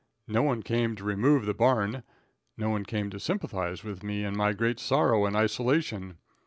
No one came to remove the barn. No one came to sympathize with me in my great sorrow and isolation.